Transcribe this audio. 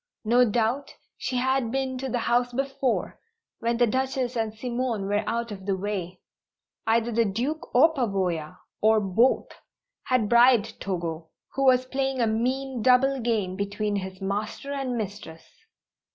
No doubt she had been to the house before, when the Duchess and Simone were out of the way. Either the Duke or Pavoya or both had bribed Togo, who was playing a mean, double game between his master and mistress!